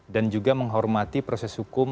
dan juga menghormati proses hukum